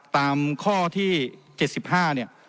ตามข้อที่๗๕เนี่ย